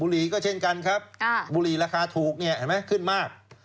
หลีก็เช่นกันครับบุหรี่ราคาถูกเนี่ยเห็นไหมขึ้นมาก